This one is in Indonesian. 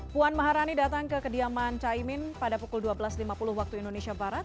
puan maharani datang ke kediaman caimin pada pukul dua belas lima puluh waktu indonesia barat